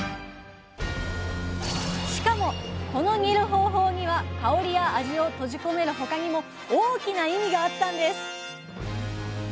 しかもこの煮る方法には香りや味を閉じ込める他にも大きな意味があったんです！